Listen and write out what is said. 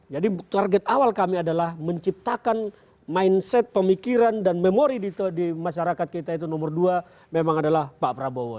jadi target awal kami adalah menciptakan mindset pemikiran dan memori di masyarakat kita itu nomor dua memang adalah pak prabowo